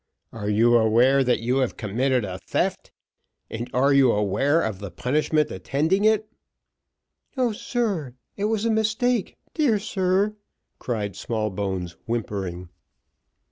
Are you aware that you have committed a theft and are you aware of the punishment attending it?" "O sir it was a mistake dear sir," cried Smallbones, whimpering.